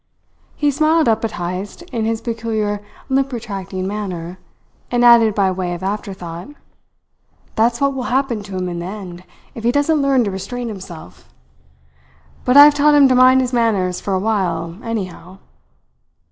He smiled up at Heyst in his peculiar lip retracting manner, and added by way of afterthought: "That's what will happen to him in the end, if he doesn't learn to restrain himself. But I've taught him to mind his manners for a while, anyhow!"